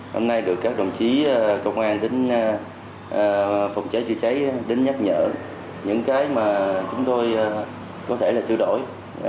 hôm nay được các đồng chí công an đến phòng cháy chữa cháy đến nhắc nhở những cái mà chúng tôi có thể là sửa đổi